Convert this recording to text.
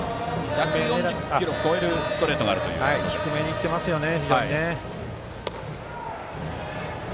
１４０キロを超えるストレートがあるという低めに行ってますね。